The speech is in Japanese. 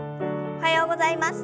おはようございます。